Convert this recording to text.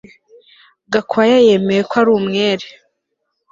Gakwaya yemeye ko ari umwere